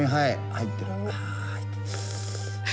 入ってる。